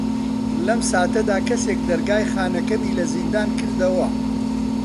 لەم ساتەدا کەسێک دەرگای خانەکەمی لە زیندان کردەوە.